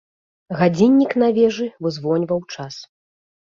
Гадзіннік на вежы вызвоньваў час.